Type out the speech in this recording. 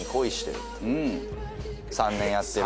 ３年やってる。